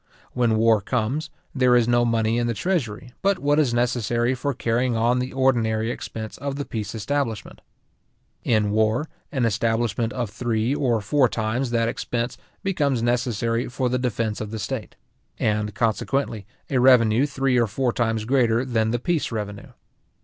When war comes, there is no money in the treasury, but what is necessary for carrying on the ordinary expense of the peace establishment. In war, an establishment of three or four times that expense becomes necessary for the defence of the state; and consequently, a revenue three or four times greater than the peace revenue.